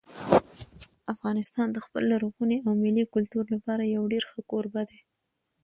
افغانستان د خپل لرغوني او ملي کلتور لپاره یو ډېر ښه کوربه دی.